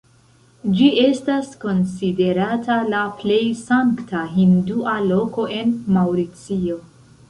Ĝi estas konsiderata la plej sankta hindua loko en Maŭricio.